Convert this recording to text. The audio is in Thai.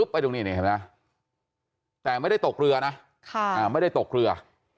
ไปตรงนี้นี่เห็นไหมแต่ไม่ได้ตกเรือนะไม่ได้ตกเรือ